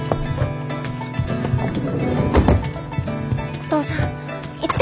お父さん行って！